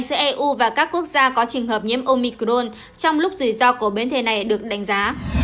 giữa eu và các quốc gia có trường hợp nhiễm omicrone trong lúc rủi ro của biến thể này được đánh giá